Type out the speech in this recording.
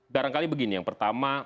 barangkali begini yang pertama